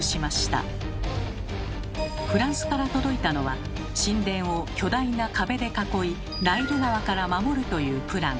フランスから届いたのは神殿を巨大な壁で囲いナイル川から守るというプラン。